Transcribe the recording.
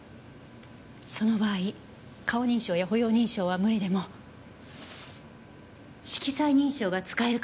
その場合顔認証や歩容認証は無理でも色彩認証が使えるかもしれません。